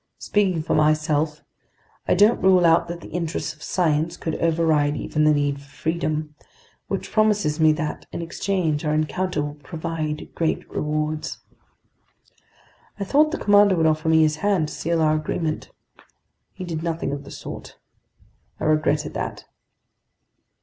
Speaking for myself, I don't rule out that the interests of science could override even the need for freedom, which promises me that, in exchange, our encounter will provide great rewards." I thought the commander would offer me his hand, to seal our agreement. He did nothing of the sort. I regretted that.